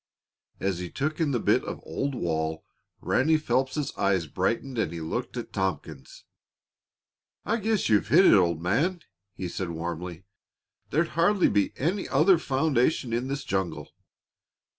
As he took in the bit of old wall Ranny Phelps' eyes brightened and he looked at Tompkins. "I guess you've hit it, old man," he said warmly. "There'd hardly be any other foundation in this jungle.